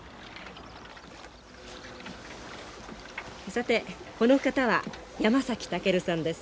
さてこの方は山崎武さんです。